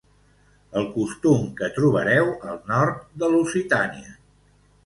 El costum que trobareu al nord de Lusitània.